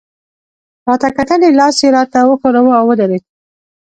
راته کتل يې، لاس يې راته ښوراوه، او ودرېد.